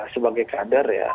sebagai kader ya